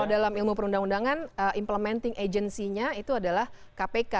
kalau dalam ilmu perundang undangan implementing agency nya itu adalah kpk